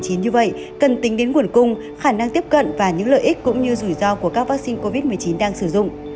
như vậy cần tính đến nguồn cung khả năng tiếp cận và những lợi ích cũng như rủi ro của các vaccine covid một mươi chín đang sử dụng